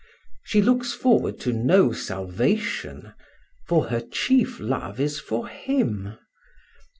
She looks forward to no salvation; for her chief love is for him.